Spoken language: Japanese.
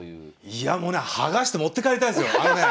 いやもうね剥がして持って帰りたいですよ！